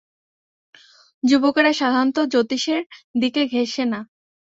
যুবকেরা সাধারণত জ্যোতিষের দিকে ঘেঁষে না।